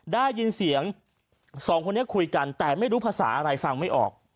ได้ยินเสียงสองคนนี้คุยกันแต่ไม่รู้ภาษาอะไรฟังไม่ออก